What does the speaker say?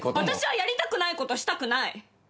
私はやりたくないことしたくない！